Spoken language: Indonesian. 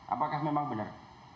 apakah memang benar